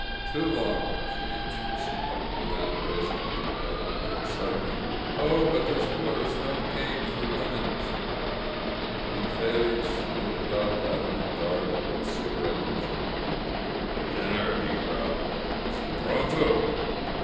"Too long," she answered simply, without raising her head. And then suddenly, "Oh, but this war is no game for women!" she cried. 106 4 INSURGENT MEXICO Don Felix loomed up out of the dark, with a ciga rette in his mouth. "My dinner," he growled. "Is it pronto?